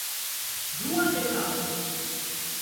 Dua etapo.